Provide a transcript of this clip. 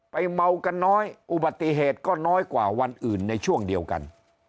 เมากันน้อยอุบัติเหตุก็น้อยกว่าวันอื่นในช่วงเดียวกัน